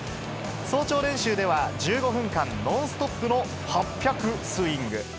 早朝練習では１５分間、ノンストップの８００スイング。